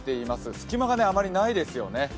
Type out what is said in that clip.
隙間があまりないですね。